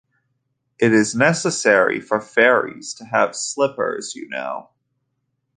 It’s necessary for fairies to have slippers, you know.